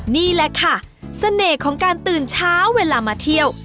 นี่แหละค่ะเสน่ห์ของการตื่นเช้าเวลามาเที่ยว